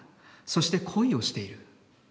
そして恋をしている。